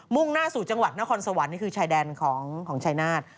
่งหน้าสู่จังหวัดนครสวรรค์นี่คือชายแดนของชายนาฏ